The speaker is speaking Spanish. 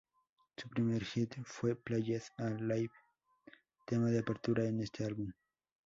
Su primer hit fue "Played-A-Live" tema de apertura en este álbum.